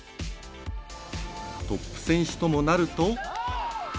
トップ選手ともなると。